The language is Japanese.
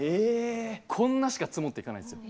こんなしか積もっていかないんですよ。